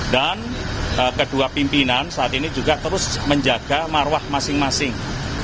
dan kedua pimpinan saat ini juga terus menjaga marwah masing masing